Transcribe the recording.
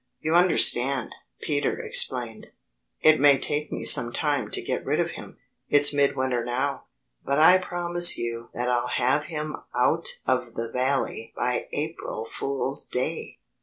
"You understand," Peter explained, "it may take me some time to get rid of him. It's mid winter now. But I can promise you that I'll have him out of the valley by April Fool's Day!"